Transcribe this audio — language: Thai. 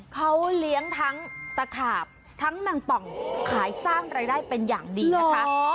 เขาเลี้ยงทั้งตะขาบทั้งนางป่องขายสร้างรายได้เป็นอย่างดีนะคะ